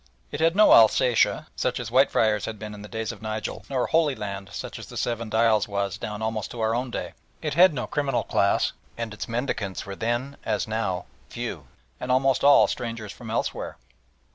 It had no Alsatia, such as Whitefriars had been in the days of Nigel, nor "Holy Land," such as the Seven Dials was down almost to our own day. It had no criminal class, and its mendicants were then as now few, and almost all strangers from elsewhere.